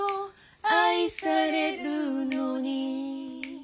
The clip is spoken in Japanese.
「愛されるのに」